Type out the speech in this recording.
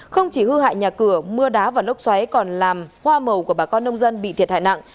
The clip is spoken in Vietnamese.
không chỉ hư hại nhà cửa mưa đá và lốc xoáy còn làm hoa màu của bà con nông dân bị thiệt hại nặng